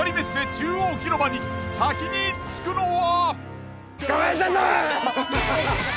中央広場に先に着くのは？